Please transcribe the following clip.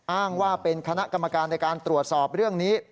อ้างว่าเป็นคณะกรรมการในการตรวจสอบเรื่องนี้